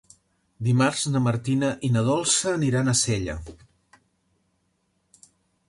Dimarts na Martina i na Dolça aniran a Sella.